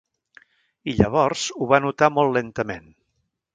I, llavors, ho va notar molt lentament.